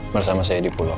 bersama saya di pulau